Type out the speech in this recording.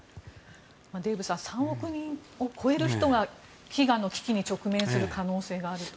デーブさん３億人を超える人が飢餓の危機に直面する可能性があると。